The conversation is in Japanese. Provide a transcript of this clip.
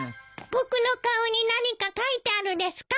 僕の顔に何か書いてあるですか？